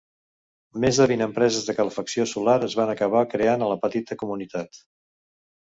Més de vint empreses de calefacció solar es van acabar creant a la petita comunitat.